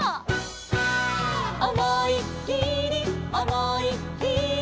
「おもいっきりおもいっきり」